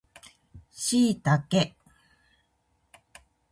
シイタケ